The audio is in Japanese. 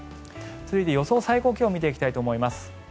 続いて、予想最高気温を見ていきたいと思います。